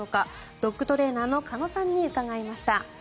ドッグトレーナーの鹿野さんに伺いました。